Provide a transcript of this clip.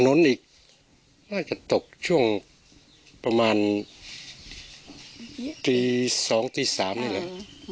ถนนอีกน่าจะตกช่วงประมาณตี๒ตี๓นี่แหละ